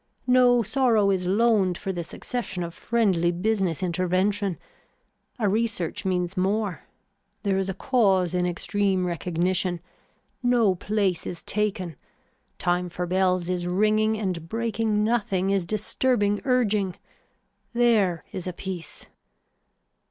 No sorrow is loaned for the succession of friendly business intervention. A research means more. There is a cause in extreme recognition. No place is taken. Time for bells is ringing and breaking nothing is disturbing urging. There is a piece.